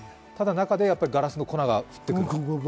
中でガラスの粉が降ってくる？